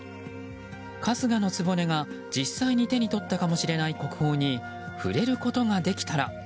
春日局が実際に手に取ったかもしれない国宝に触れることができたら。